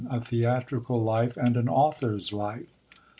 — A theatrical life and an author's life.